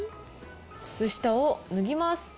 靴下を脱ぎます。